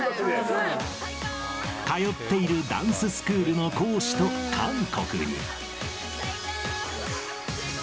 通っているダンススクールの講師と韓国に。